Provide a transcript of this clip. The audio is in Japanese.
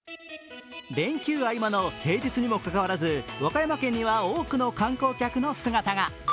連休合間の平日にもかかわらず和歌山県には多くの観光客の姿が。